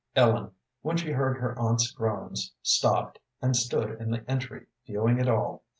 Ellen, when she heard her aunt's groans, stopped, and stood in the entry viewing it all.